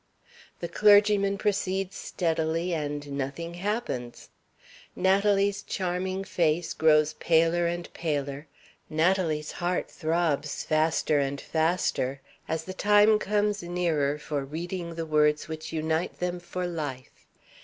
The clergyman proceeds steadily, and nothing happens. Natalie's charming face grows paler and paler, Natalie's heart throbs faster and faster, as the time comes nearer for reading the words which unite them for life.